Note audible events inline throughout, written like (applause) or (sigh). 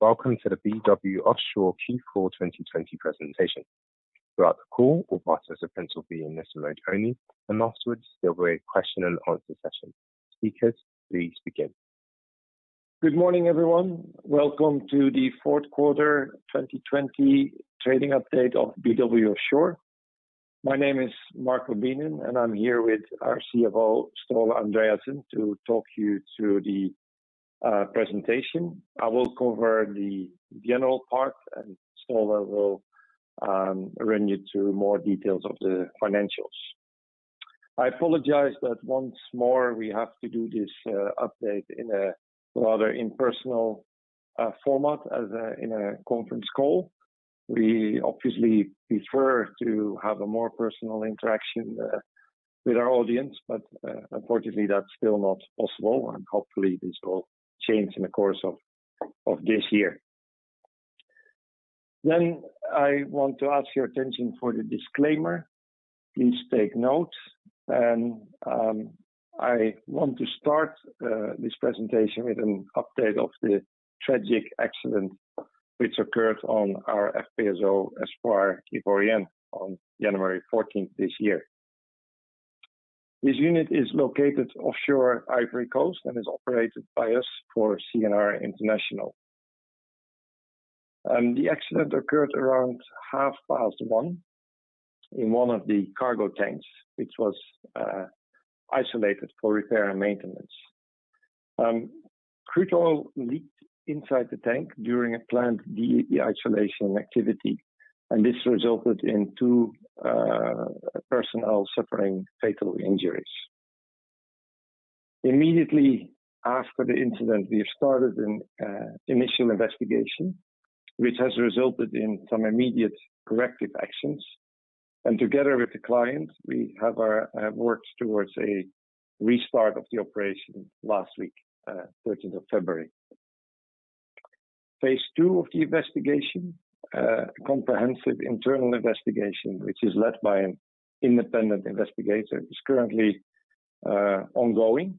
Welcome to the BW Offshore Q4 2020 presentation. Throughout the call, all participants will be in listen mode only, and afterwards there will be a question and answer session. Speakers, please begin. Good morning, everyone. Welcome to the fourth quarter 2020 trading update of BW Offshore. My name is Marco Beenen, and I'm here with our CFO, Ståle Andreassen, to talk you through the presentation. I will cover the general part, and Ståle will run you through more details of the financials. I apologize that once more we have to do this update in a rather impersonal format, as in a conference call. We obviously prefer to have a more personal interaction with our audience, but unfortunately, that's still not possible, and hopefully this will change in the course of this year. I want to ask your attention for the disclaimer. Please take note. I want to start this presentation with an update of the tragic accident which occurred on our FPSO Espoir Ivoirien on January 14th this year. This unit is located offshore Ivory Coast and is operated by us for CNR International. The accident occurred around half past one in one of the cargo tanks, which was isolated for repair and maintenance. Crude oil leaked inside the tank during a planned de-isolation activity, and this resulted in two personnel suffering fatal injuries. Immediately after the incident, we have started an initial investigation, which has resulted in some immediate corrective actions. Together with the client, we have worked towards a restart of the operation last week, 13th of February. Phase II of the investigation, a comprehensive internal investigation, which is led by an independent investigator, is currently ongoing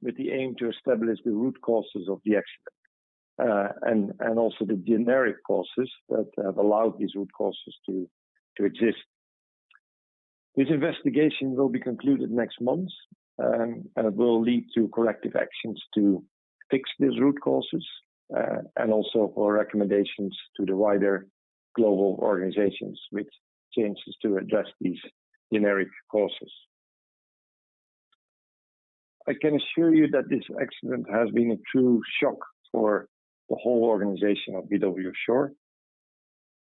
with the aim to establish the root causes of the accident, and also the generic causes that have allowed these root causes to exist. This investigation will be concluded next month, and it will lead to corrective actions to fix these root causes, and also for recommendations to the wider global organizations with changes to address these generic causes. I can assure you that this accident has been a true shock for the whole organization of BW Offshore,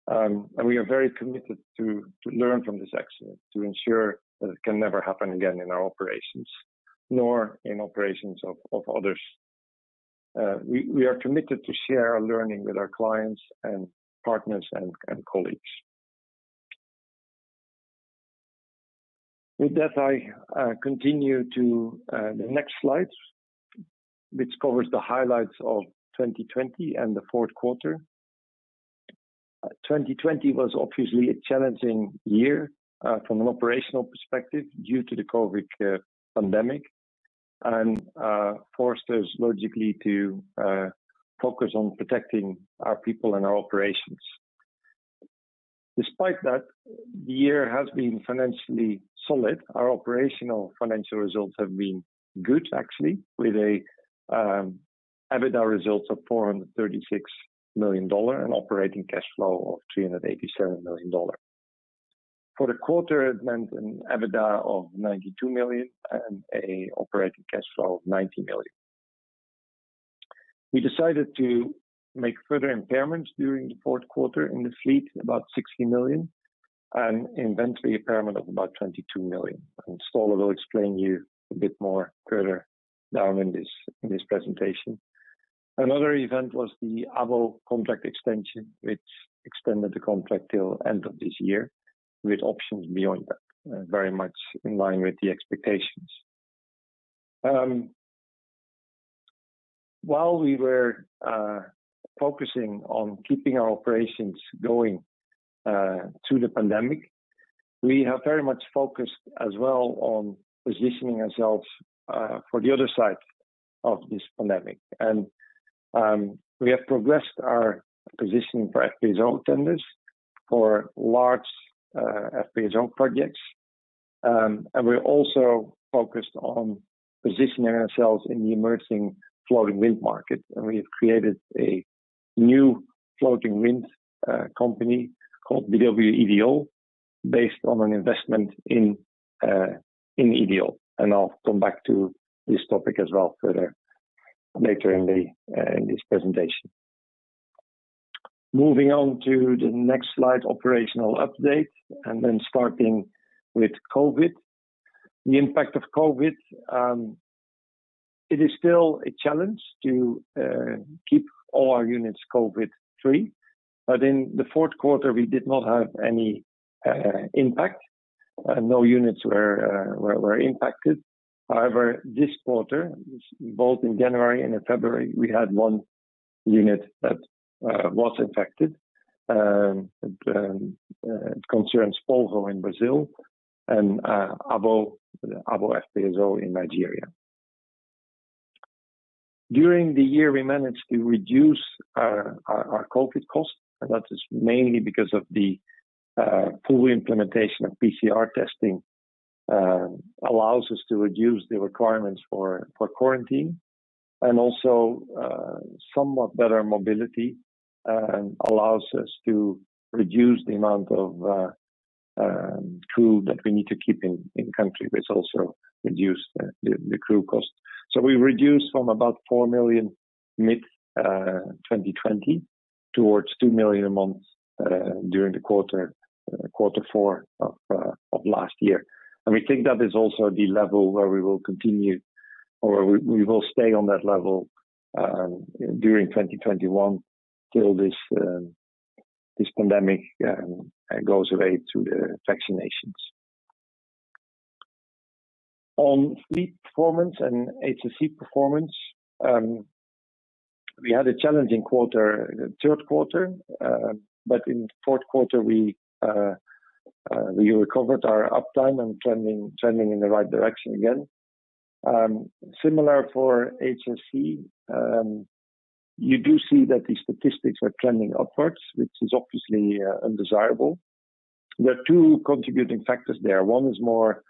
and we are very committed to learn from this accident to ensure that it can never happen again in our operations, nor in operations of others. We are committed to share our learning with our clients and partners and colleagues. With that, I continue to the next slide, which covers the highlights of 2020 and the fourth quarter. 2020 was obviously a challenging year from an operational perspective due to the COVID pandemic, and forced us logically to focus on protecting our people and our operations. Despite that, the year has been financially solid. Our operational financial results have been good, actually, with EBITDA results of $436 million and operating cash flow of $387 million. For the quarter, it meant an EBITDA of $92 million and an operating cash flow of $90 million. We decided to make further impairments during the fourth quarter in the fleet, about $60 million, and inventory impairment of about $22 million. Ståle will explain to you a bit more further down in this presentation. Another event was the Abo contract extension, which extended the contract till end of this year, with options beyond that, very much in line with the expectations. While we were focusing on keeping our operations going through the pandemic, we have very much focused as well on positioning ourselves for the other side of this pandemic. We have progressed our positioning for FPSO tenders for large FPSO projects. We also focused on positioning ourselves in the emerging floating wind market, and we have created a new floating wind company called BW Ideol, based on an investment in Ideol. I'll come back to this topic as well further later in this presentation. Moving on to the next slide, operational update, and then starting with COVID. The impact of COVID, it is still a challenge to keep all our units COVID-free. In the fourth quarter, we did not have any impact. No units were impacted. However, this quarter, both in January and in February, we had one unit that was infected. It concerns Polvo in Brazil and Abo in Nigeria. During the year, we managed to reduce our COVID cost, and that is mainly because of the full implementation of PCR testing allows us to reduce the requirements for quarantine, and also somewhat better mobility allows us to reduce the amount of crew that we need to keep in country, which also reduced the crew cost. We reduced from about $4 million mid-2020 towards $2 million a month during the quarter four of last year. We think that is also the level where we will continue, or we will stay on that level during 2021 till this pandemic goes away through the vaccinations. On fleet performance and HSE performance, we had a challenging third quarter, but in the fourth quarter, we recovered our uptime and trending in the right direction again. Similar for HSE, you do see that the statistics are trending upwards, which is obviously undesirable. There are two contributing factors there. One is more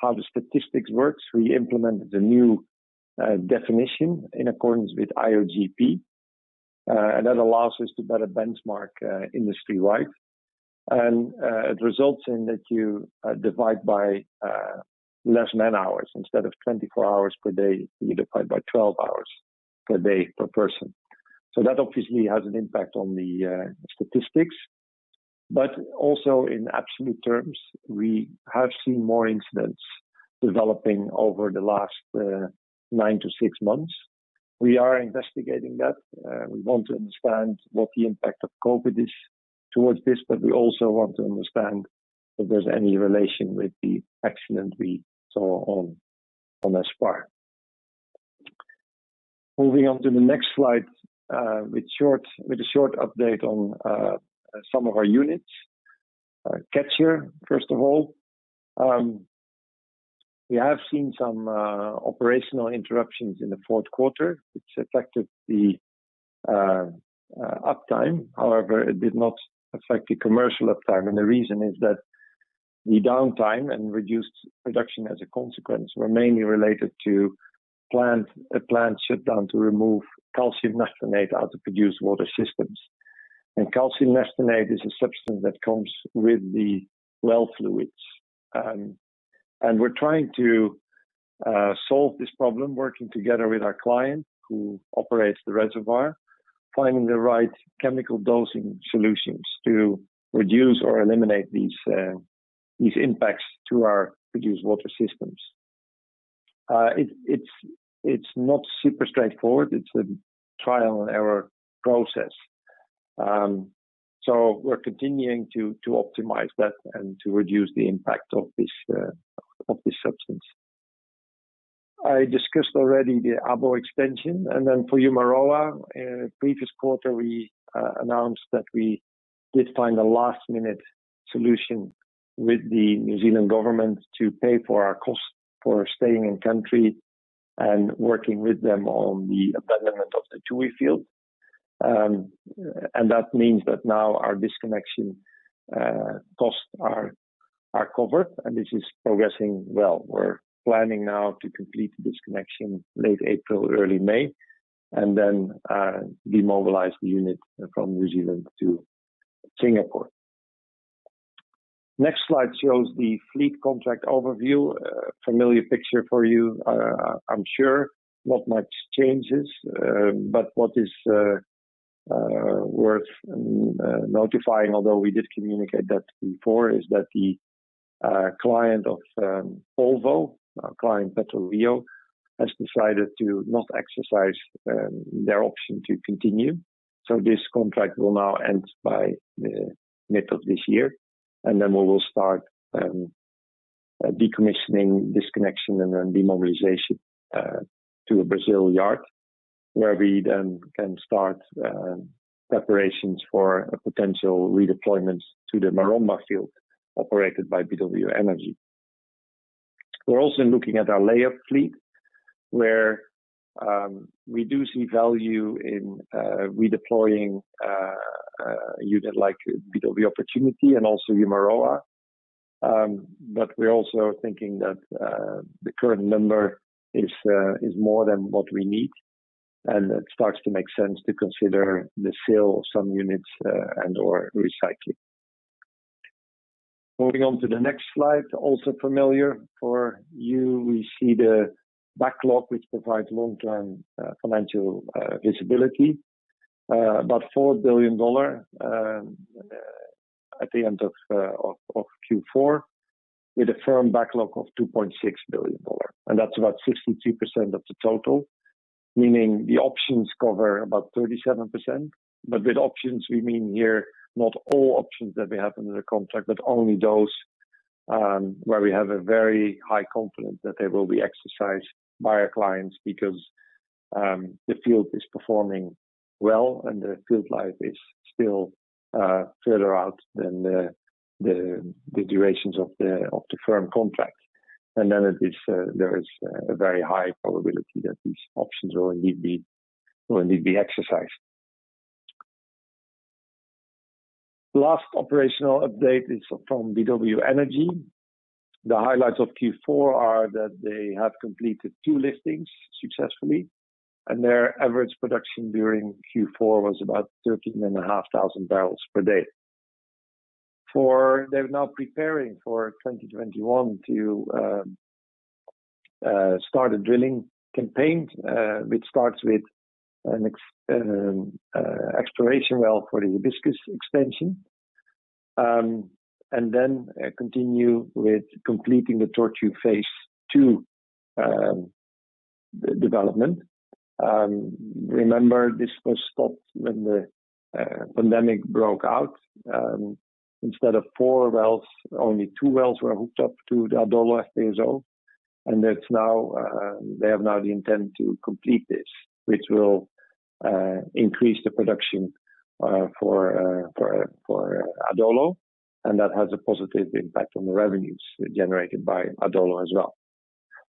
how the statistics works. We implemented a new definition in accordance with IOGP, and that allows us to better benchmark industry-wide. It results in that you divide by less man-hours. Instead of 24 hours per day, you divide by 12 hours per day per person. That obviously has an impact on the statistics, but also in absolute terms, we have seen more incidents developing over the last nine to six months. We are investigating that. We want to understand what the impact of COVID is towards this, but we also want to understand if there's any relation with the accident we saw on Espoir. Moving on to the next slide, with a short update on some of our units. Catcher, first of all. We have seen some operational interruptions in the fourth quarter, which affected the uptime. However, it did not affect the commercial uptime, and the reason is that the downtime and reduced production as a consequence were mainly related to a plant shutdown to remove calcium carbonate out of produced water systems. Calcium carbonate is a substance that comes with the well fluids. We're trying to solve this problem, working together with our client who operates the reservoir, finding the right chemical dosing solutions to reduce or eliminate these impacts to our produced water systems. It's not super straightforward. It's a trial-and-error process. We're continuing to optimize that and to reduce the impact of this substance. I discussed already the Abo extension. Then for Umuroa, previous quarter, we announced that we did find a last-minute solution with the New Zealand government to pay for our cost for staying in country and working with them on the abandonment of the Tui field. That means that now our disconnection costs are covered, and this is progressing well. We're planning now to complete the disconnection late April, early May, and then demobilize the unit from New Zealand to Singapore. Next slide shows the fleet contract overview. A familiar picture for you, I'm sure. Not much changes, but what is worth notifying, although we did communicate that before, is that the client of Polvo, client PetroRio, has decided to not exercise their option to continue. This contract will now end by the mid of this year, and then we will start decommissioning, disconnection, and then demobilization to a Brazil yard, where we then can start preparations for a potential redeployment to the Maromba field operated by BW Energy. We're also looking at our layup fleet, where we do see value in redeploying a unit like BW Opportunity and also Umuroa. We're also thinking that the current number is more than what we need, and it starts to make sense to consider the sale of some units and/or recycling. Moving on to the next slide, also familiar for you. We see the backlog, which provides long-term financial visibility. About $4 billion at the end of Q4, with a firm backlog of $2.6 billion. That's about 62% of the total, meaning the options cover about 37%. With options, we mean here not all options that we have under the contract, but only those where we have a very high confidence that they will be exercised by our clients because the field is performing well, and the field life is still further out than the durations of the firm contract. There is a very high probability that these options will indeed be exercised. Last operational update is from BW Energy. The highlights of Q4 are that they have completed two liftings successfully, and their average production during Q4 was about 13,500 bbl per day. They're now preparing for 2021 to start a drilling campaign, which starts with an exploration well for the Hibiscus extension, and then continue with completing the Tortue phase II development. Remember, this was stopped when the pandemic broke out. Instead of four wells, only two wells were hooked up to the BW Adolo FPSO, and they have now the intent to complete this, which will increase the production for BW Adolo, and that has a positive impact on the revenues generated by BW Adolo as well.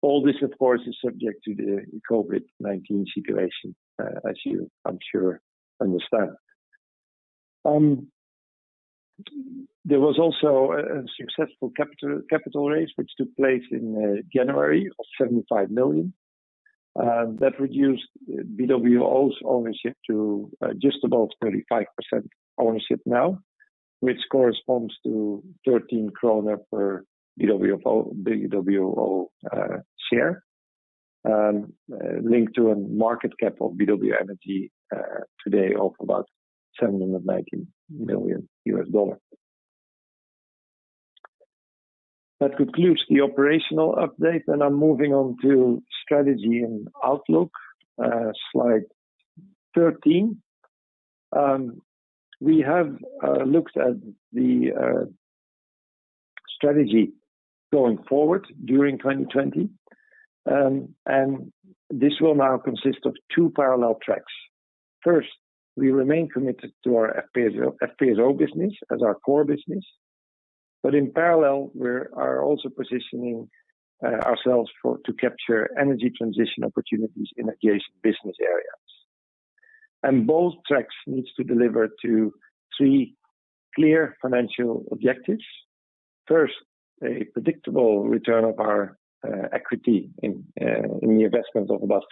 All this, of course, is subject to the COVID-19 situation, as you, I'm sure, understand. There was also a successful capital raise, which took place in January of $75 million. That reduced BWO's ownership to just above 35% ownership now, which corresponds to 13 krone per BWO share, linked to a market cap of BW Energy today of about $719 million. That concludes the operational update, and I'm moving on to strategy and outlook, slide 13. We have looked at the strategy going forward during 2020, and this will now consist of two parallel tracks. First, we remain committed to our FPSO business as our core business, but in parallel, we are also positioning ourselves to capture energy transition opportunities in adjacent business areas. Both tracks need to deliver to three clear financial objectives. First, a predictable return of our equity in the investment of about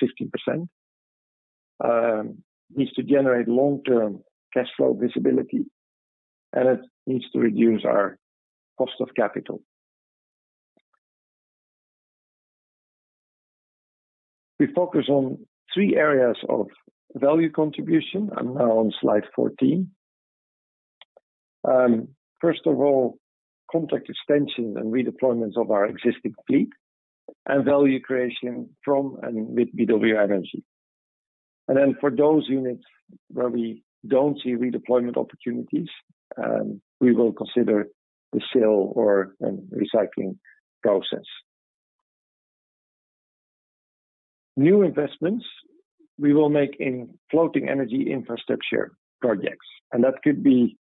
50%, needs to generate long-term cash flow visibility, and it needs to reduce our cost of capital. We focus on three areas of value contribution. I'm now on slide 14. First of all, contract extensions and redeployments of our existing fleet and value creation from and with BW Energy. Then for those units where we don't see redeployment opportunities, we will consider the sale or recycling process. New investments we will make in floating energy infrastructure projects, and that could be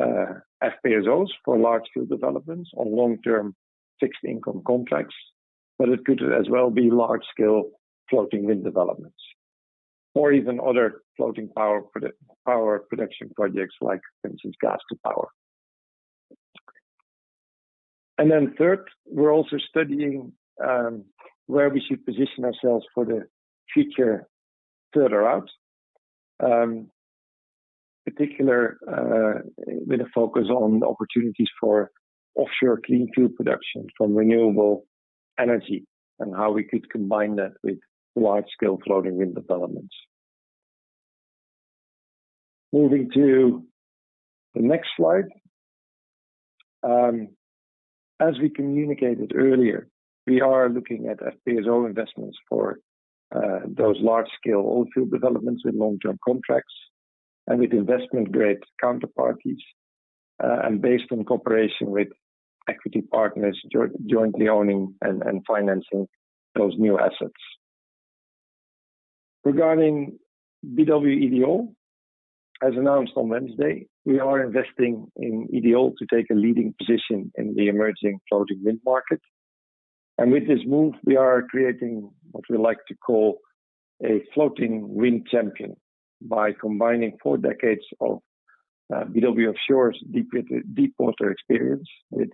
FPSOs for large field developments on long-term fixed income contracts, but it could as well be large-scale floating wind developments or even other floating power production projects, like for instance, Gas-to-Power. Then third, we're also studying where we should position ourselves for the future further out. Particular with a focus on the opportunities for offshore clean fuel production from renewable energy and how we could combine that with large-scale floating wind developments. Moving to the next slide. As we communicated earlier, we are looking at FPSO investments for those large-scale oil field developments with long-term contracts and with investment-grade counterparties, and based on cooperation with equity partners jointly owning and financing those new assets. Regarding BW Ideol, as announced on Wednesday, we are investing in Ideol to take a leading position in the emerging floating wind market. With this move, we are creating what we like to call a floating wind champion by combining four decades of BW Offshore's deepwater experience with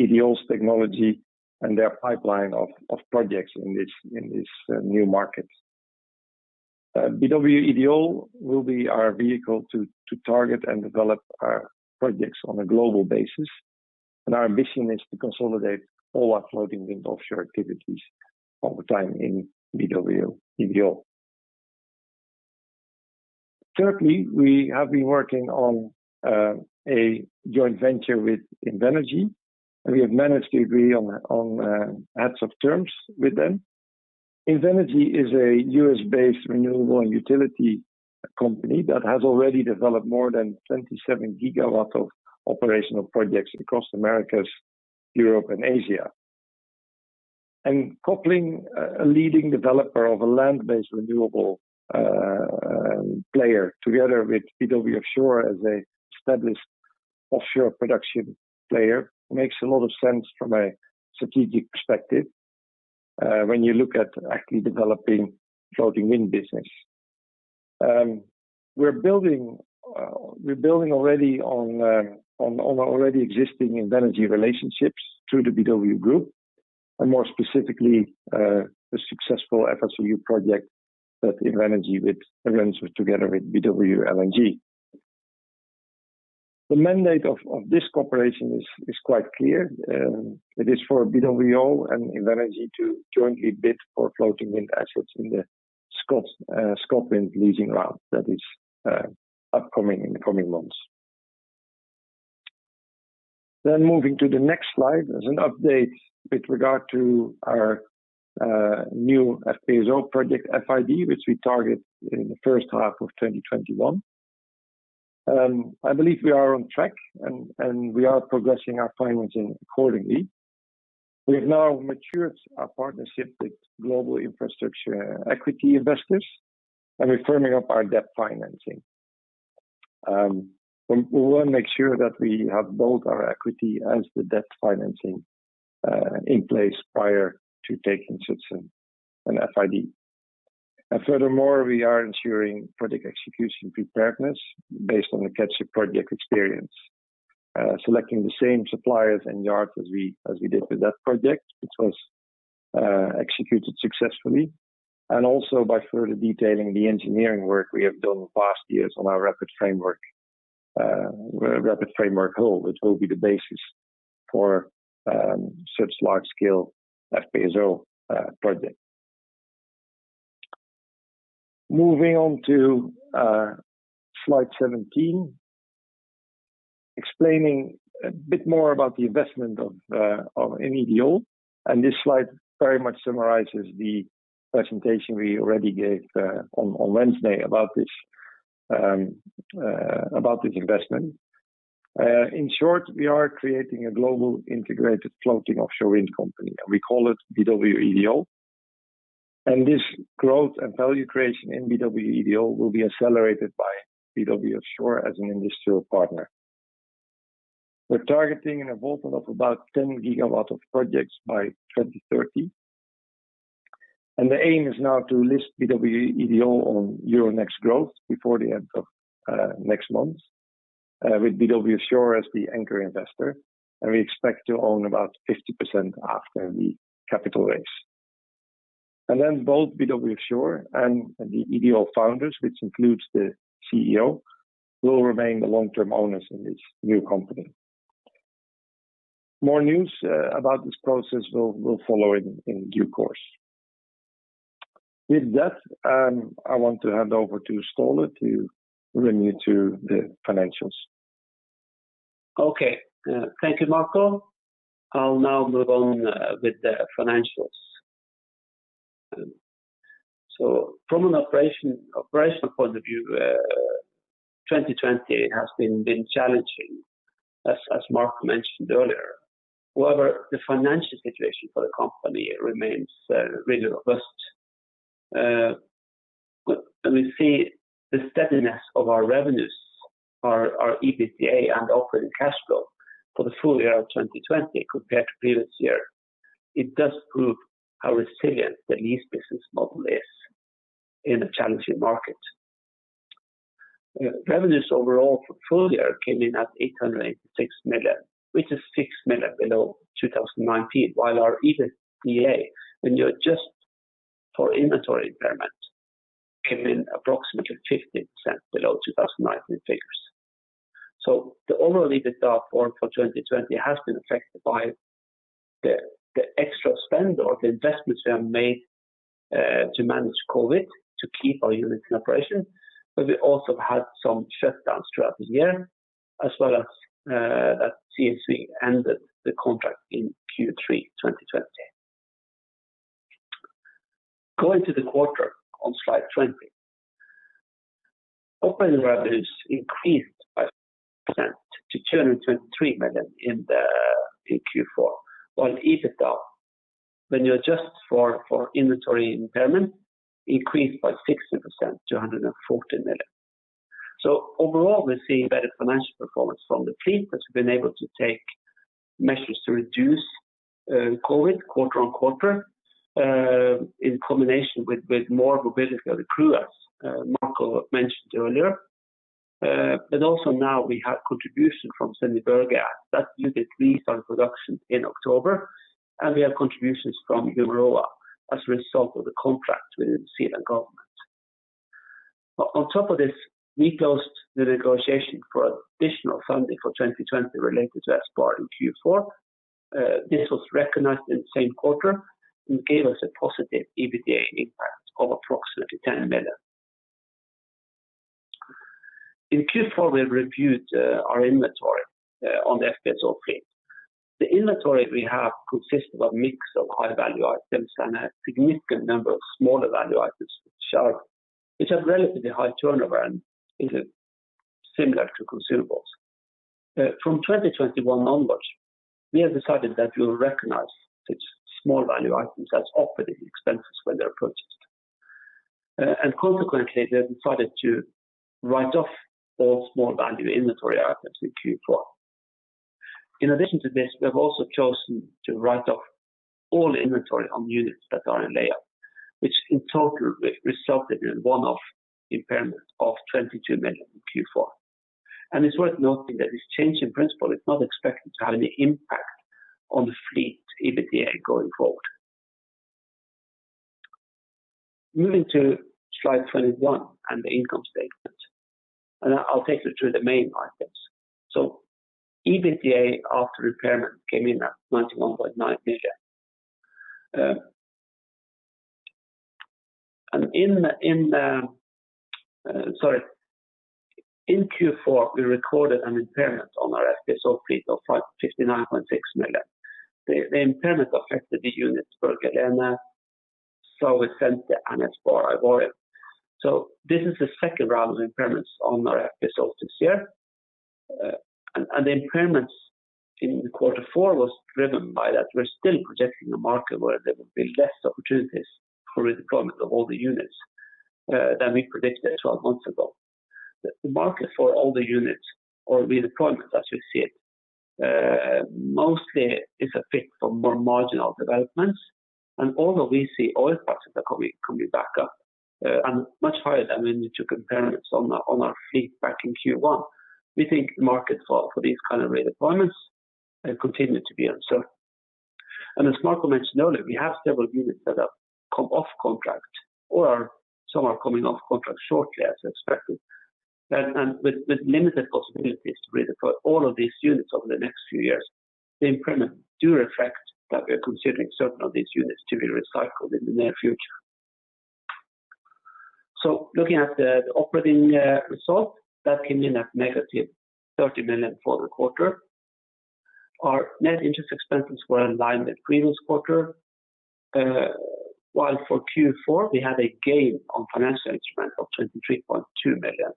Ideol's technology and their pipeline of projects in this new market. BW Ideol will be our vehicle to target and develop our projects on a global basis. Our ambition is to consolidate all our floating wind offshore activities over time in BW Ideol. Thirdly, we have been working on a joint venture with Invenergy, and we have managed to agree on heads of terms with them. Invenergy is a U.S.-based renewable and utility company that has already developed more than 27 GW of operational projects across Americas, Europe, and Asia. Coupling a leading developer of a land-based renewable player together with BW Offshore as an established offshore production player makes a lot of sense from a strategic perspective, when you look at actually developing floating wind business. We're building already on our already existing Invenergy relationships through the BW Group, and more specifically, the successful FSRU project that Invenergy together with BW LNG. The mandate of this cooperation is quite clear. It is for BWO and Invenergy to jointly bid for floating wind assets in the ScotWind leasing round that is upcoming in the coming months. Moving to the next slide. As an update with regard to our new FPSO project, FID, which we target in the first half of 2021. I believe we are on track, and we are progressing our financing accordingly. We've now matured our partnership with global infrastructure equity investors, and we're firming up our debt financing. We want to make sure that we have both our equity as the debt financing in place prior to taking such an FID. Furthermore, we are ensuring project execution preparedness based on the Catcher project experience, selecting the same suppliers and yards as we did with that project, which was executed successfully. Also by further detailing the engineering work we have done in the past years on our RapidFramework hull, which will be the basis for such large scale FPSO project. Moving on to slide 17, explaining a bit more about the investment of Ideol. This slide very much summarizes the presentation we already gave on Wednesday about this investment. In short, we are creating a global integrated floating offshore wind company, and we call it BW Ideol. This growth and value creation in BW Ideol will be accelerated by BW Offshore as an industrial partner. We're targeting an involvement of about 10 GW of projects by 2030. The aim is now to list BW Ideol on Euronext Growth before the end of next month, with BW Offshore as the anchor investor, and we expect to own about 50% after the capital raise. Both BW Offshore and the Ideol founders, which includes the CEO, will remain the long-term owners in this new company. More news about this process will follow in due course. With that, I want to hand over to Ståle to bring you to the financials. Okay. Thank you, Marco. I'll now move on with the financials. From an operational point of view, 2020 has been challenging, as Marco mentioned earlier. The financial situation for the company remains really robust. We see the steadiness of our revenues are our EBITDA and operating cash flow for the full year of 2020 compared to previous year. It does prove how resilient the lease business model is in a challenging market. Revenues overall full year came in at $886 million, which is $6 million below 2019. Our EBITDA, when you adjust for inventory impairment, came in approximately 15% below 2019 figures. The overall EBITDA form for 2020 has been affected by the extra spend or the investments we have made to manage COVID, to keep our units in operation, but we also had some shutdowns throughout the year, as well as that CSE ended the contract in Q3 2020. Going to the quarter on slide 20. Operating revenues increased by 10% to $223 million in the Q4, while EBITDA, when you adjust for inventory impairment, increased by 60% to $140 million. Overall, we're seeing better financial performance from the fleet as we've been able to take measures to reduce COVID quarter-on-quarter, in combination with more mobilization of the crew, as Marco Beenen mentioned earlier. Also now we have contribution from Sendje Berge that started lease on production in October, and we have contributions from Umuroa as a result of the contract with the Zealand government. On top of this, we closed the negotiation for additional funding for 2020 related to Espoir in Q4. This was recognized in the same quarter and gave us a positive EBITDA impact of approximately $10 million. In Q4, we reviewed our inventory on the FPSO fleet. The inventory we have consists of a mix of high-value items and a significant number of smaller value items which are relatively high turnover and is similar to consumables. From 2021 onwards, we have decided that we will recognize such small value items as operating expenses when they're purchased. Consequently, we have decided to write off all small value inventory items in Q4. In addition to this, we have also chosen to write off all inventory on units that are in layup, which in total resulted in one-off impairment of $22 million in Q4. It's worth noting that this change in principle is not expected to have any impact on fleet EBITDA going forward. Moving to slide 21 and the income statement. I'll take you through the main items. EBITDA after impairment came in at $91.9 million. In Q4, we recorded an impairment on our FPSO fleet of $59.6 million. The impairment affected the units Berge Helene, Snorre A Centre, and Snorre Explorer. This is the second round of impairments on our FPSOs this year. The impairments in quarter four was driven by that we're still projecting a market where there will be less opportunities for redeployment of older units than we predicted 12 months ago. The market for older units or redeployments, as we see it, mostly is a fit for more marginal developments. Although we see oil prices that can be back up and much higher than we need to compare this on our fleet back in Q1, we think the market for these kind of redeployments continue to be uncertain. As Marco mentioned earlier, we have several units that have come off contract or some are coming off contract shortly as expected. With limited possibilities to redeploy all of these units over the next few years, the impairments do reflect that we are considering certain of these units to be recycled in the near future. Looking at the operating result, that came in at -$30 million for the quarter. Our net interest expenses were in line with previous quarter. While for Q4, we had a gain on financial instrument of $23.2 million,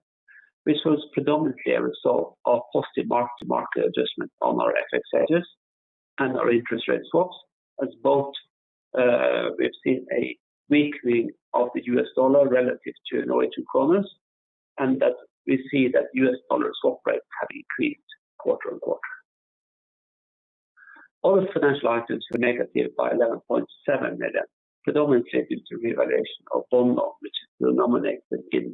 which was predominantly a result of positive mark-to-market adjustment on our FX hedges and our interest rate swaps, as both we've seen a weakening of the U.S. dollar relative to Norwegian kroner, and that we see that U.S. dollar swap rates have increased quarter-on-quarter. Other financial items were negative by $11.7 million, predominantly due to revaluation of bond loan which is still nominated in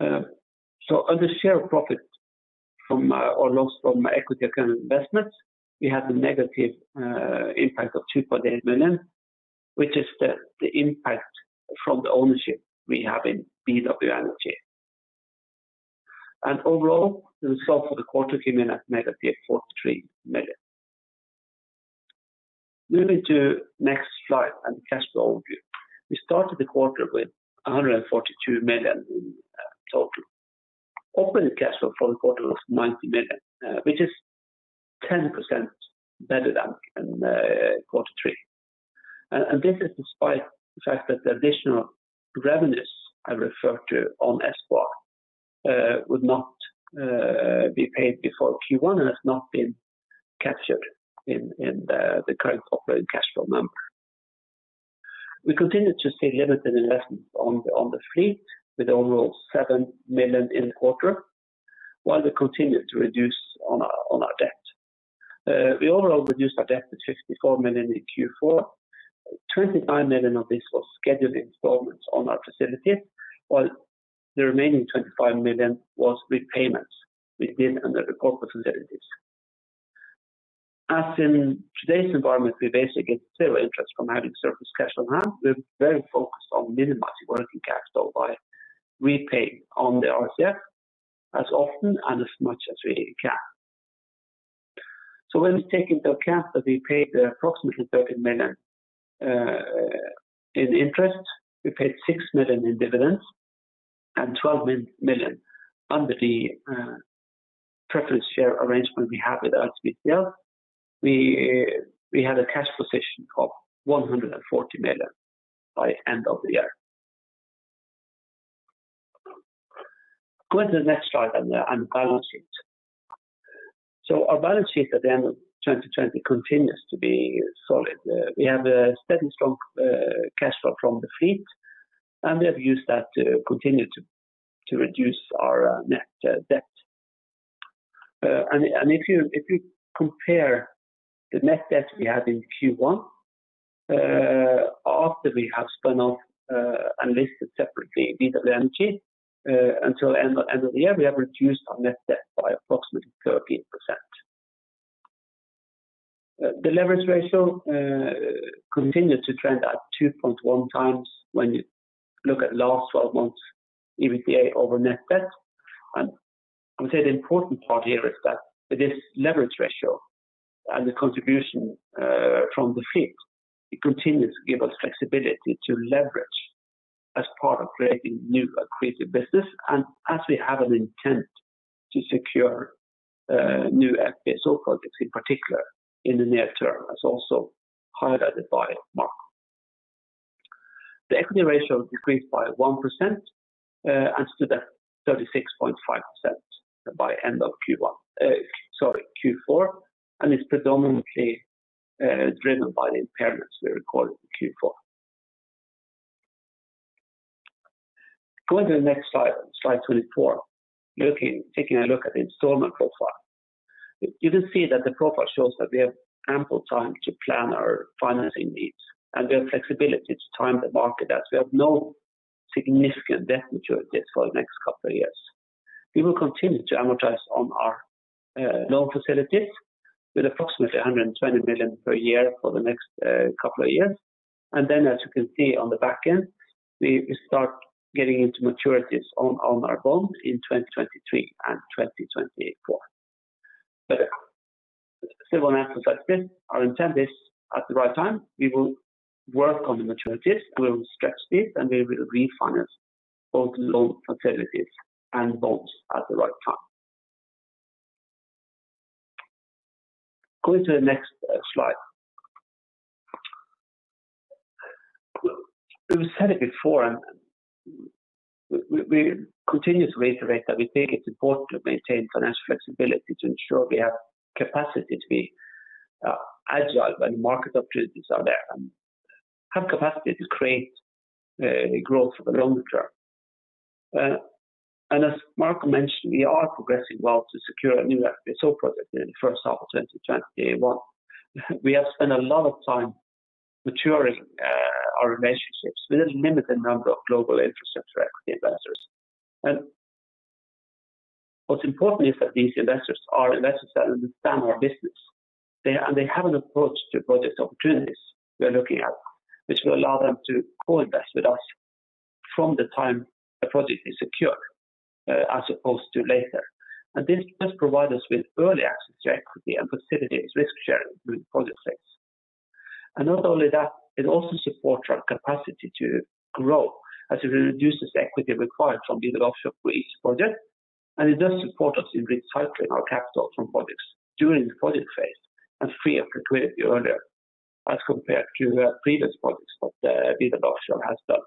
NOK. Other share profit or loss from equity account investments, we had a negative impact of $2.8 million, which is the impact from the ownership we have in BW Energy. Overall, the result for the quarter came in at -$43 million. Moving to next slide and the cash flow review. We started the quarter with $142 million in total. Operating cash flow for the quarter was 90 million which is 10% better than quarter three. This is despite the fact that the additional revenues I referred to on Espoir would not be paid before Q1 and has not been captured in the current operating cash flow number. We continue to see limited investments on the fleet with overall $7 million in the quarter, while we continue to reduce on our debt. We overall reduced our debt to 54 million in Q4. 29 million of this was scheduled installments on our facilities, while the remaining $25 million was repayments within under the corporate facilities. As in today's environment, we basically get zero interest from having surplus cash on hand. We're very focused on minimizing working capital by repaying on the RCF as often and as much as we can. When we take into account that we paid approximately $13 million in interest, we paid $6 million in dividends and $12 million under the preference share arrangement we have with RVTL. We had a cash position of $140 million by end of the year. Go to the next slide and the balance sheet. Our balance sheet at the end of 2020 continues to be solid. We have a steady strong cash flow from the fleet, and we have used that to continue to reduce our net debt. If you compare the net debt we had in Q1 after we have spun off and listed separately BW Energy until end of the year, we have reduced our net debt by approximately 13%. The leverage ratio continues to trend at 2.1x when you look at last 12 months EBITDA over net debt. I would say the important part here is that this leverage ratio. The contribution from the fleet, it continues to give us flexibility to leverage as part of creating new accretive business. As we have an intent to secure new FPSO projects in particular in the near term, as also highlighted by Marco. The equity ratio decreased by 1% and stood at 36.5% by end of Q4, and is predominantly driven by the impairments we recorded in Q4. Going to the next slide 24, taking a look at the installment profile. You can see that the profile shows that we have ample time to plan our financing needs, and we have flexibility to time the market as we have no significant debt maturities for the next couple of years. We will continue to amortize on our loan facilities with approximately $120 million per year for the next couple of years. As you can see on the back end, we start getting into maturities on our bonds in 2023 and 2024. Our intent is at the right time, we will work on the maturities, and we will stretch this, and we will refinance both loan facilities and bonds at the right time. Going to the next slide. We've said it before, and we continuously reiterate that we think it's important to maintain financial flexibility to ensure we have capacity to be agile when market opportunities are there, and have capacity to create growth for the longer term. As Marco mentioned, we are progressing well to secure a new FPSO project in the first half of 2021. We have spent a lot of time maturing our relationships with a limited number of global infrastructure equity investors. What's important is that these investors are investors that understand our business. They have an approach to project opportunities we are looking at, which will allow them to co-invest with us from the time a project is secured as opposed to later. This does provide us with early access to equity and facilitates risk-sharing during the project phase. Not only that, it also supports our capacity to grow as it reduces equity required from the adoption for each project, and it does support us in recycling our capital from projects during the project phase and free up liquidity earlier as compared to previous projects what the BW Offshore has done.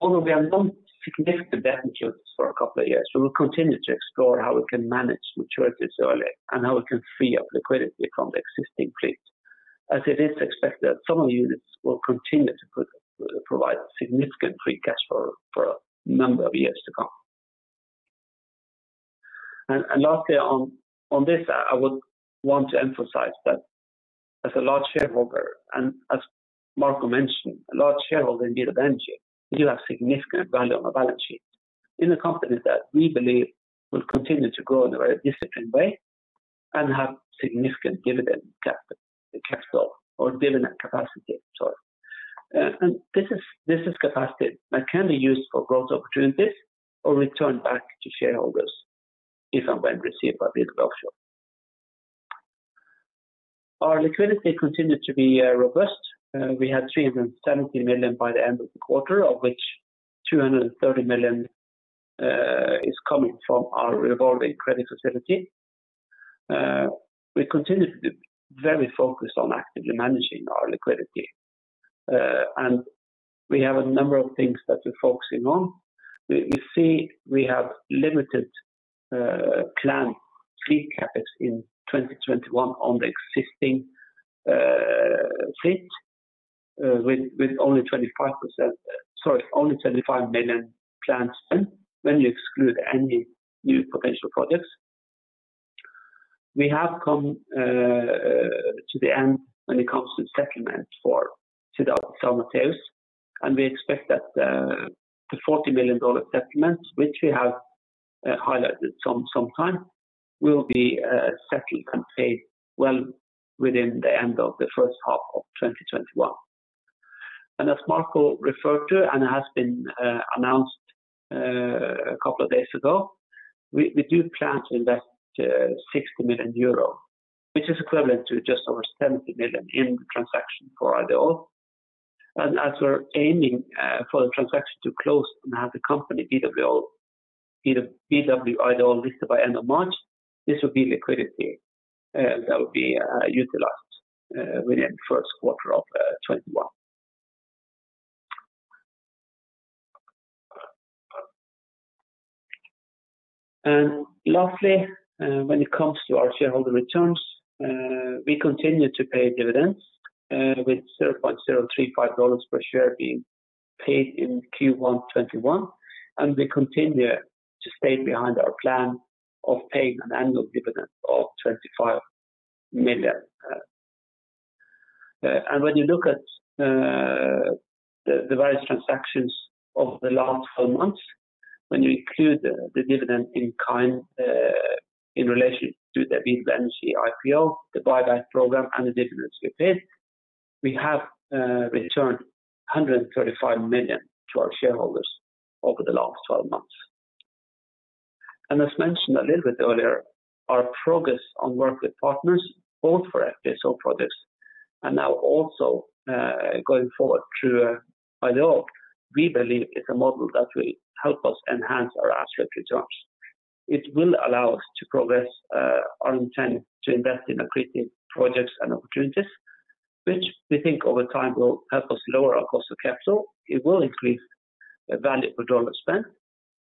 Although we have no significant debt maturities for a couple of years, we will continue to explore how we can manage maturities early and how we can free up liquidity from the existing fleet. It is expected that some of the units will continue to provide significant free cash flow for a number of years to come. Lastly on this, I would want to emphasize that as a large shareholder, and as Marco mentioned, a large shareholder in BW Energy, we do have significant value on our balance sheet in a company that we believe will continue to grow in a very disciplined way and have significant dividend cash flow or dividend capacity, sorry. This is capacity that can be used for growth opportunities or returned back to shareholders if and when received by BW Offshore. Our liquidity continued to be robust. We had $370 million by the end of the quarter, of which $230 million is coming from our revolving credit facility. We continue to be very focused on actively managing our liquidity. We have a number of things that we're focusing on. You see we have limited planned free capex in 2021 on the existing fleet with only $25 million planned spend when you exclude any new potential projects. We have come to the end when it comes to settlement for São Mateus, and we expect that the $40 million settlement, which we have highlighted some time, will be settled and paid well within the end of the first half of 2021. As Marco referred to and has been announced a couple of days ago, we do plan to invest 60 million euro, which is equivalent to just over $70 million in the transaction for Ideol. As we're aiming for the transaction to close and have the company BW Ideol listed by end of March, this will be liquidity that will be utilized within the first quarter of 2021. Lastly, when it comes to our shareholder returns, we continue to pay dividends with $0.035 per share being paid in Q1 2021, and we continue to stay behind our plan of paying an annual dividend of $25 million. When you look at the various transactions of the last 12 months, when you include the dividend in kind in relation to the BW Energy IPO, the buyback program, and the dividends we paid. We have returned $135 million to our shareholders over the last 12 months. As mentioned a little bit earlier, our progress on work with partners, both for FPSO projects and now also going forward through Ideol, we believe is a model that will help us enhance our asset returns. It will allow us to progress our intent to invest in accretive projects and opportunities, which we think over time will help us lower our cost of capital. It will increase value per dollar spent,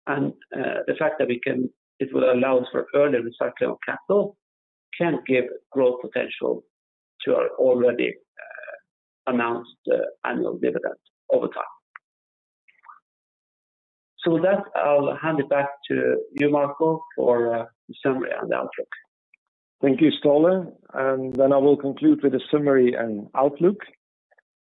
and the fact that it will allow us for earlier recycling of capital can give growth potential to our already announced annual dividend over time. With that, I'll hand it back to you, Marco, for a summary and outlook. Thank you, Ståle. Then I will conclude with a summary and outlook.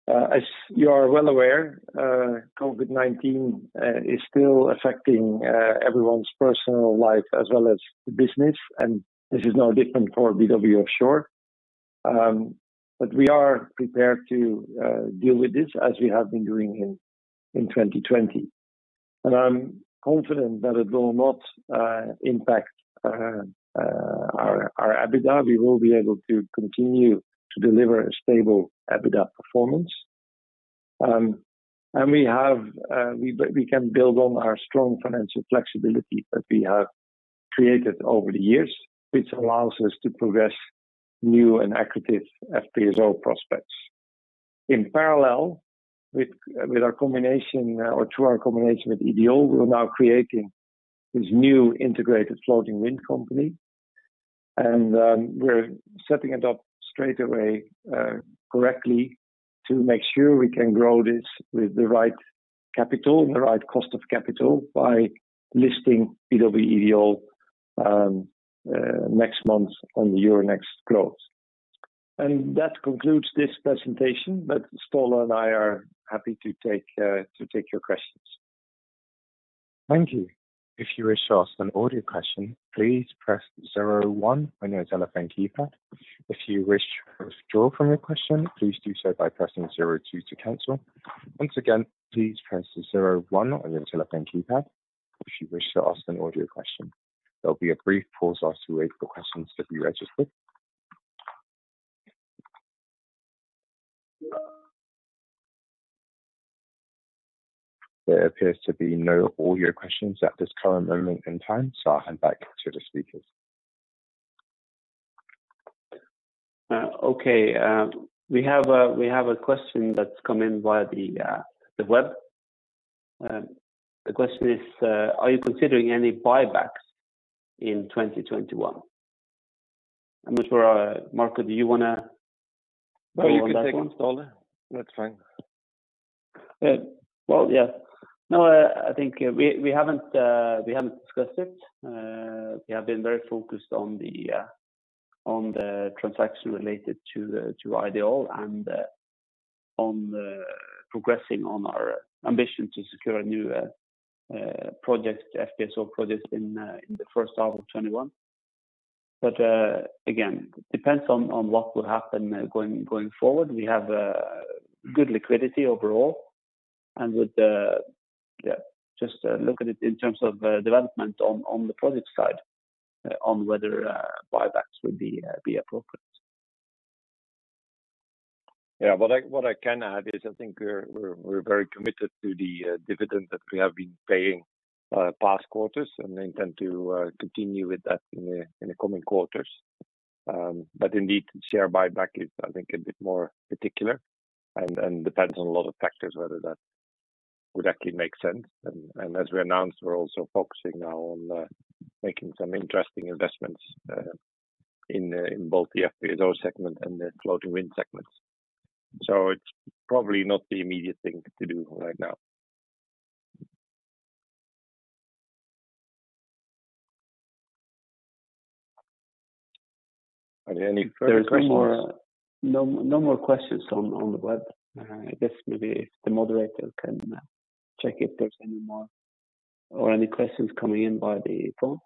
As you are well aware, COVID-19 is still affecting everyone's personal life as well as the business, and this is no different for BW Offshore. We are prepared to deal with this as we have been doing in 2020. I'm confident that it will not impact our EBITDA. We will be able to continue to deliver a stable EBITDA performance. We can build on our strong financial flexibility that we have created over the years, which allows us to progress new and accretive FPSO prospects. In parallel, through our combination with Ideol, we're now creating this new integrated floating wind company, and we're setting it up straight away correctly to make sure we can grow this with the right capital and the right cost of capital by listing BW Ideol next month on the Euronext Growth. That concludes this presentation, but Ståle and I are happy to take your questions. Thank you. If you wish to ask an audio question, please press zero one on your telephone keypad. If you wish to withdraw from your question, please do so by pressing zero two to cancel. Once again, please press zero one on your telephone keypad if you wish to ask an audio question. There'll be a brief pause as we wait for questions to be registered. There appears to be no audio questions at this current moment in time, so I'll hand back to the speakers. Okay. We have a question that's come in via the web. The question is, are you considering any buybacks in 2021? I'm not sure, Marco, do you want to handle that one? No, you can take it, Ståle. That's fine. Well, yeah. No, I think we haven't discussed it. We have been very focused on the transaction related to Ideol and on progressing on our ambition to secure a new FPSO project in the first half of 2021. Again, depends on what will happen going forward. We have good liquidity overall, and would just look at it in terms of development on the project side on whether buybacks would be appropriate. Yeah. What I can add is I think we're very committed to the dividend that we have been paying past quarters. We intend to continue with that in the coming quarters. Indeed, share buyback is, I think, a bit more particular and depends on a lot of factors whether that would actually make sense. As we announced, we're also focusing now on making some interesting investments in both the FPSO segment and the floating wind segments. It's probably not the immediate thing to do right now. Are there any further questions? There is no more questions on the web. I guess maybe if the moderator can check if there's any more or any questions coming in by the phone.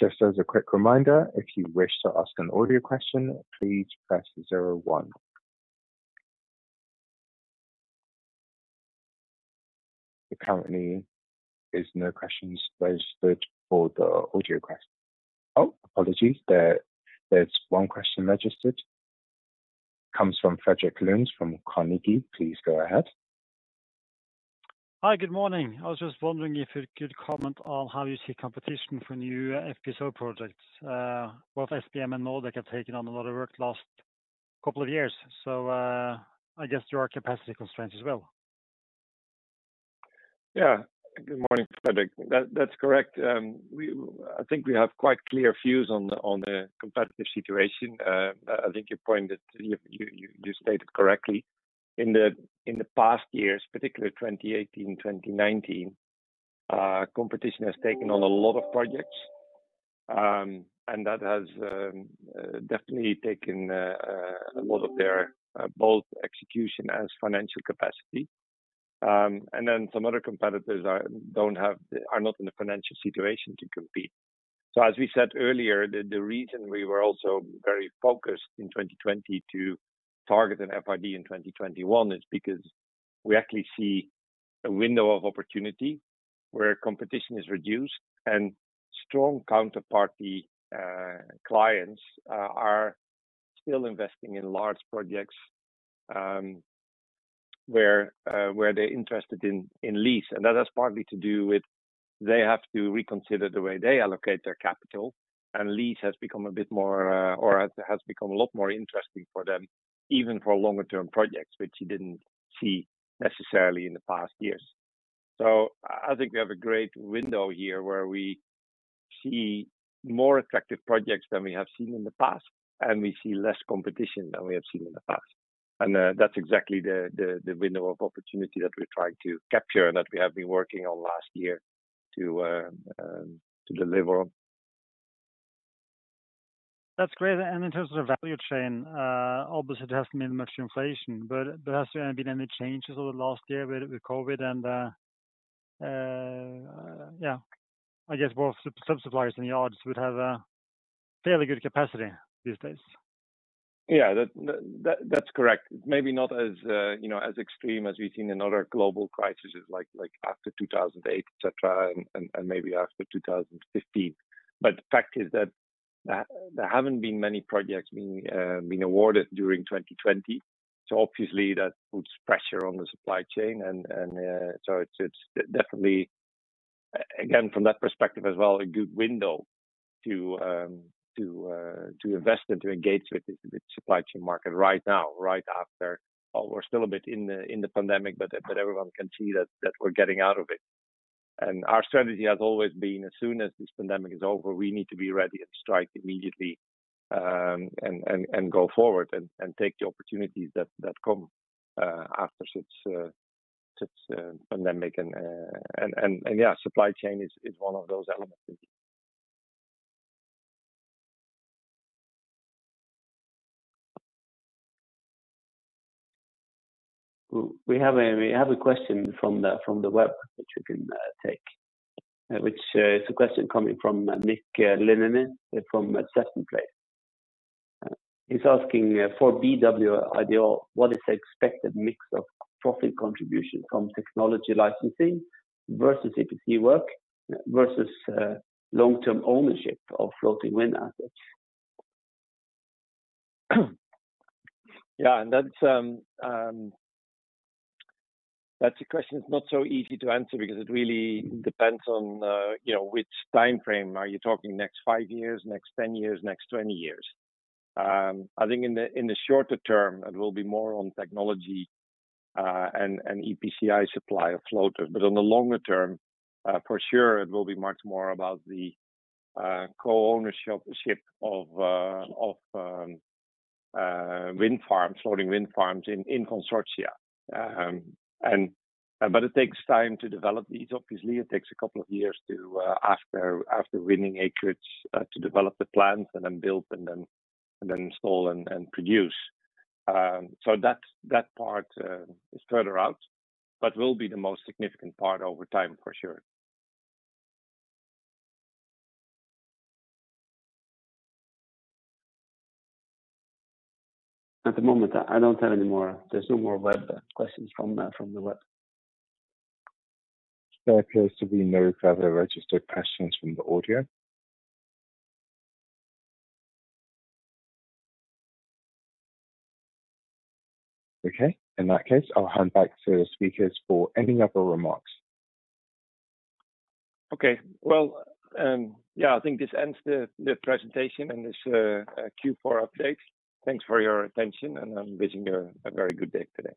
Just as a quick reminder, if you wish to ask an audio question, please press zero one. There currently is no questions registered for the audio question. Oh, apologies. There's one question registered. Comes from Fredrik Lund from Carnegie. Please go ahead. Hi. Good morning. I was just wondering if you could comment on how you see competition for new FPSO projects. Both SBM and MODEC have taken on a lot of work the last couple of years, I guess there are capacity constraints as well. Yeah. Good morning, Fredrik. That's correct. I think we have quite clear views on the competitive situation. I think you pointed, you stated correctly, in the past years, particularly 2018, 2019, competition has taken on a lot of projects, and that has definitely taken a lot of their both execution and financial capacity. Then some other competitors are not in the financial situation to compete. As we said earlier, the reason we were also very focused in 2020 to target an FID in 2021 is because we actually see a window of opportunity where competition is reduced and strong counterparty clients are still investing in large projects where they're interested in lease. That has partly to do with they have to reconsider the way they allocate their capital, and lease has become a lot more interesting for them, even for longer term projects, which you didn't see necessarily in the past years. I think we have a great window here where we see more attractive projects than we have seen in the past, and we see less competition than we have seen in the past. That's exactly the window of opportunity that we're trying to capture and that we have been working on last year to deliver on. That's great. In terms of the value chain, obviously it hasn't been much inflation, but there hasn't been any changes over the last year with COVID, and I guess both sub-suppliers and yards would have a fairly good capacity these days. Yeah. That's correct. Maybe not as extreme as we've seen in other global crises like after 2008, et cetera, and maybe after 2015. The fact is that there haven't been many projects being awarded during 2020. Obviously that puts pressure on the supply chain, and so it's definitely, again, from that perspective as well, a good window to invest and to engage with the supply chain market right now. We're still a bit in the pandemic, but everyone can see that we're getting out of it. Our strategy has always been, as soon as this pandemic is over, we need to be ready to strike immediately, and go forward and take the opportunities that come after such pandemic. Yeah, supply chain is one of those elements. We have a question from the web, which you can take, which is a question coming from [Nick Lenene] from. (audio distortion) He's asking, "For BW Ideol, what is the expected mix of profit contribution from technology licensing versus EPC work versus long-term ownership of floating wind assets? Yeah, that's a question that's not so easy to answer because it really depends on which timeframe. Are you talking next five years, next 10 years, next 20 years? I think in the shorter term, it will be more on technology, and EPCI supply of floaters. In the longer term, for sure, it will be much more about the co-ownership of floating wind farms in consortia. It takes time to develop these. Obviously, it takes a couple of years after winning acreage to develop the plans and then build and then install and produce. That part is further out, but will be the most significant part over time, for sure. At the moment, I don't have any more. There's no more web questions from the web. There appears to be no further registered questions from the audio. Okay. In that case, I'll hand back to the speakers for any other remarks. Okay. Well, yeah, I think this ends the presentation and this Q4 update. Thanks for your attention, and I'm wishing you a very good day today.